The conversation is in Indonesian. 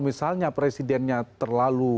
misalnya presidennya terlalu